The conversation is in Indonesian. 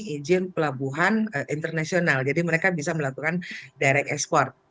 mereka juga mengantongi pelabuhan internasional jadi mereka bisa melakukan direct export